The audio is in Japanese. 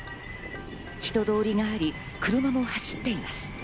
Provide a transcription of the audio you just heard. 人通りがあり、車も走っています。